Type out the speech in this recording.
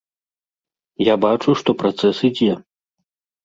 Я бачу, што працэс ідзе.